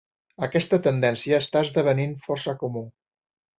Aquesta tendència està esdevenint força comú.